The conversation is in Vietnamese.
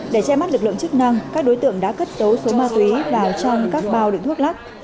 để che mắt lực lượng chức năng các đối tượng đã cất số ma túy vào trong các bao đựng thuốc lắc